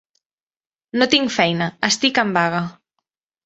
No tinc feina: estic en vaga.